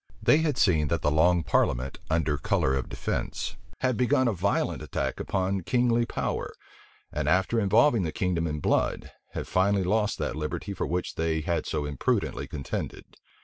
They had seen that the long parliament, under color of defence, had begun a violent attack upon kingly power; and after involving the kingdom in blood, had finally lost that liberty for which they had so imprudently contended.